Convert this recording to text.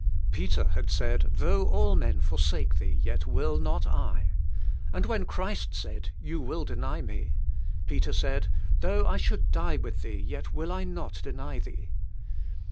Peter had said, "Though all men forsake Thee vet will not I,'' and when Christ said. '• You will deny Me," Peter said, ''Though I should die with Thee yet will I not deny Thee.